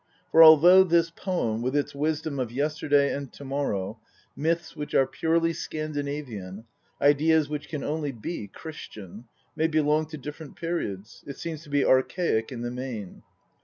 For although this poem, with its wisdom of yesterday and to morrow, myths which are purely Scandinavian, ideas which can only be Christian, may belong to different periods, it seems to be archaic in the main.